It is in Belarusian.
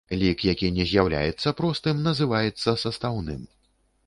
Лік, які не з'яўляецца простым, называецца састаўным.